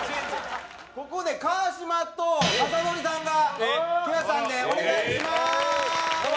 ここで川島と雅紀さんが来ましたので、お願いします。